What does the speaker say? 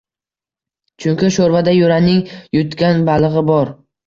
– Chunki sho‘rvada Yuraning tutgan balig‘i bor